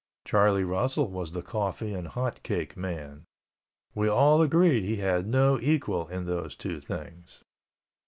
Charlie Russell was the coffee and hot cake man. We all agreed he had no equal in those two things.